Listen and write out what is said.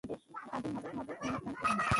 নিজেই স্বাধীন ভাবে অনুষ্ঠান করতে থাকেন।